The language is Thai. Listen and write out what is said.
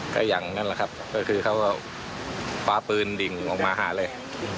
ก็อย่างนั้นแหละครับก็คือเขาก็คว้าปืนดิ่งออกมาหาเลย